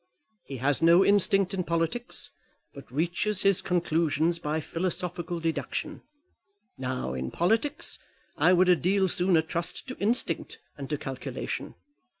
He has no instinct in politics, but reaches his conclusions by philosophical deduction. Now, in politics, I would a deal sooner trust to instinct than to calculation.